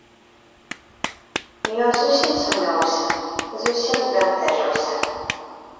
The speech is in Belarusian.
Ён зусім сумеўся, зусім збянтэжыўся.